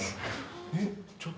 えっ？